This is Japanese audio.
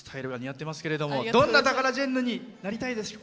どんなタカラジェンヌになりたいですか？